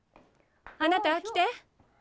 あなた来て。